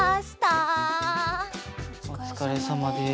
おつかれさまです。